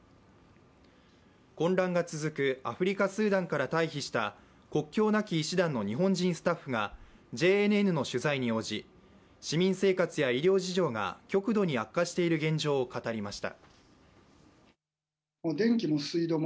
混乱が続くアフリカ・スーダンから退避した国境なき医師団の日本人スタッフがＪＮＮの取材に応じ市民生活や医療事情が極度に悪化している現状を語りました。